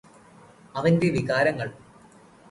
അവന്റെ വികാരങ്ങൾ.